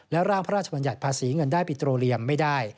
ร่างพระราชบัญญัติภาษีเงินได้ปิโตเรียมไม่ได้